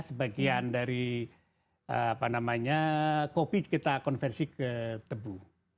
sebagian dari apa namanya kopi kita konversi ke tebu